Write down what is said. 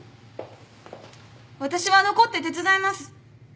私は残って手伝います！